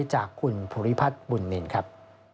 จากคุณภูริพัฒน์บุญนินครับ